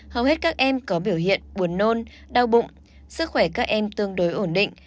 hầu hết các em có biểu hiện buồn nôn đau bụng sức khỏe các em tương đối ổn định